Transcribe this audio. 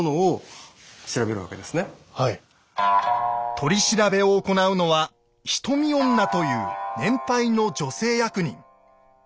取り調べを行うのは「人見女」という年配の女性役人。